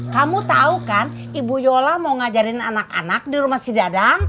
kamu tahu kan ibu yola mau ngajarin anak anak di rumah si dadang